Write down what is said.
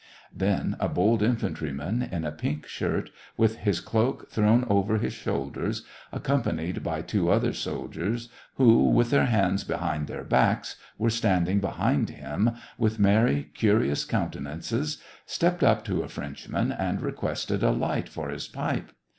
Then a bold infantryman, in a pink shirt, with his cloak thrown over his shoulders, ac companied by two other soldiers, who, with their SEVASTOPOL IN MAY. nj hands behind their backs, were standing behind him, with merry, curious countenances, stepped up to a Frenchman, and requested a light for his pipe.